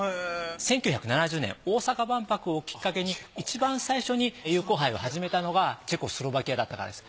１９７０年大阪万博をきっかけにいちばん最初に友好杯を始めたのがチェコスロバキアだったからです。